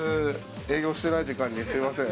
営業してない時間にすいません。